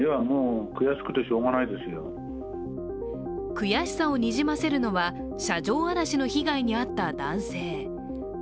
悔しさをにじませるのは車上荒らしの被害に遭った男性。